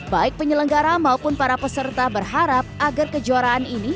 baik penyelenggara maupun para peserta berharap agar kejuaraan ini